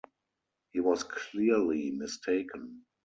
He was clearly mistaken.